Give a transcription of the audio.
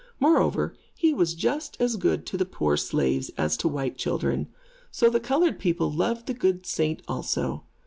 Moreover, he was just as good to the poor slaves, as to white children. So the colored people loved the good saint also.